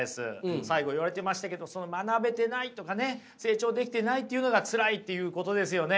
最後言われてましたけど学べてないとかね成長できてないというのがツラいっていうことですよね？